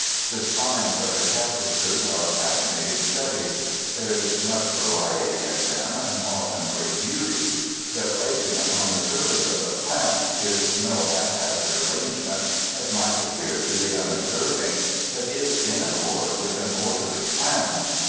The spines of the cac tuses are a fascinating study. There is much va riety in them, and often great beauty. Their placing upon the surface of the plants is no hap hazard arrangement, as might appear to the unob serving, but is in accord wdth an orderly plan.